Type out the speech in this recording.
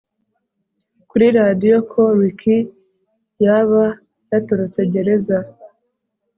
kuri radio ko Ricky yaba yatorotse gereza